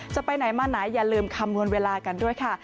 จะไปไหนมาไหนอย่าลืมคำนวณเวลากันด้วยค่ะ